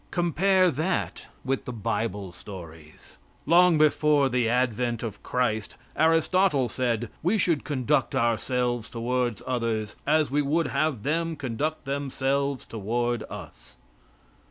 Compare that with the bible stories. Long before the advent of Christ, Aristotle said: "We should conduct ourselves toward others as we would have them conduct themselves toward us."